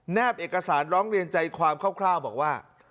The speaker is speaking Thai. แบบเอกสารร้องเรียนใจความคร่าวบอกว่า